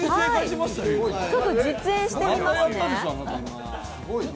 ちょっと実演してみますね。